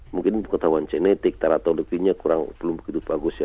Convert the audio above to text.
mungkin ketahuan genetik teratologinya kurang belum begitu bagus ya